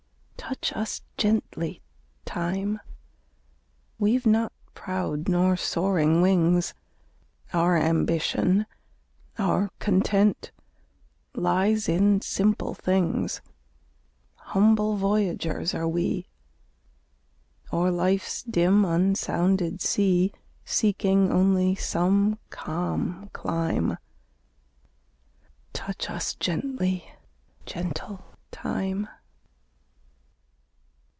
Touch us gently, Time! We've not proud nor soaring wings; Our ambition, our content, Lies in simple things. Humble voyagers are we, O'er life's dim unsounded sea, Seeking only some calm clime; Touch us gently, gentle Time!